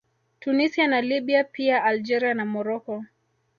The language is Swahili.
Tunisia na Libya pia Algeria na Morocco